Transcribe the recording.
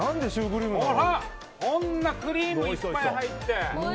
こんなクリームいっぱい入って。